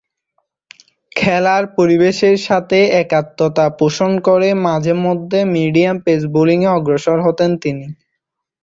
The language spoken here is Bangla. খেলার পরিবেশের সাথে একাত্মতা পোষণ করে মাঝেমধ্যে মিডিয়াম-পেস বোলিংয়ে অগ্রসর হতেন তিনি।